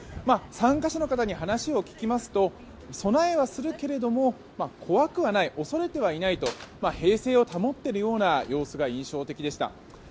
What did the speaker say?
参加者の方に話を聞きますと備えはするけれども怖くはない、恐れてはいないと平静を保っているような様子が印象的でした。